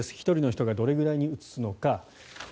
１人の人がどれぐらいにうつすのか。